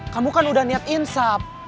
kamu kan udah niat insap